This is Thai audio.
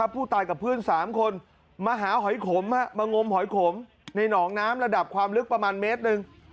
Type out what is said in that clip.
ผู้ตายกับเพื่อนสามคนมาหาหอยขมมางมเอง